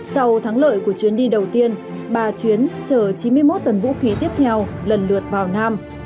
sau thắng lợi của chuyến đi đầu tiên bà chuyến chở chín mươi một tấn vũ khí tiếp theo lần lượt vào nam